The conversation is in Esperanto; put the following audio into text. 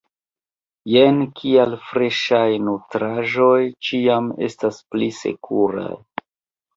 Jen kial freŝaj nutraĵoj ĉiam estas pli sekuraj.